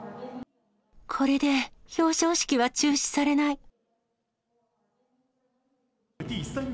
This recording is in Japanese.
これで表彰式は中止されない。